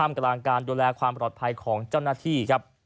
ทำกระลางการดูแลความประดอบภัยของเจ้าหน้าที่